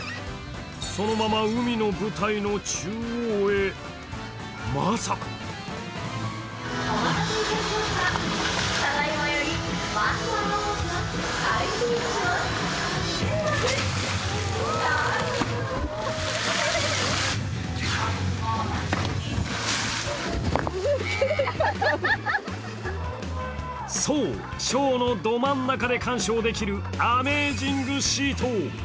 そのまま海の舞台の中央へ、まさかそう、ショーのど真ん中で鑑賞できるアメージングシート。